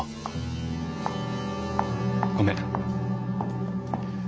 ごめん。